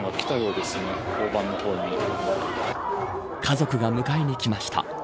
家族が迎えに来ました。